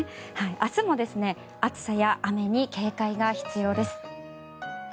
明日も暑さや雨に警戒が必要です。